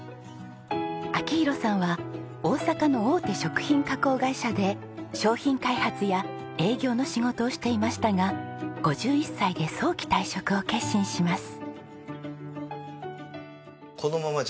明宏さんは大阪の大手食品加工会社で商品開発や営業の仕事をしていましたが５１歳で早期退職を決心します。